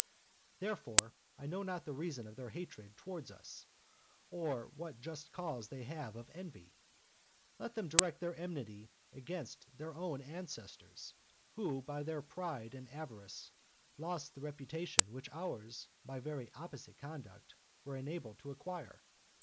Therefore, I know not the reason of their hatred toward us, or what just cause they have of envy. Let them direct their enmity against their own ancestors, who, by their pride and avarice, lost the reputation which ours, by very opposite conduct, were enabled to acquire.